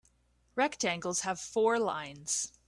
Rectangles have four lines.